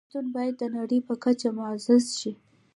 پښتو باید د نړۍ په کچه معزز شي.